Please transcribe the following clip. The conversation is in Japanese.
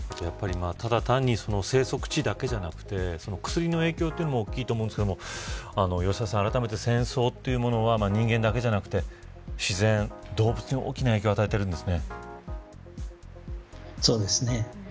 ただ単に生息地だけじゃなくて薬の影響も大きいと思うんですが吉田さん、あらためて戦争というものは人間がだけでなくて自然、動物に大きな影響をそうですね。